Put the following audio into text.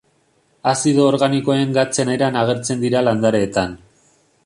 Azido organikoen gatzen eran agertzen dira landareetan.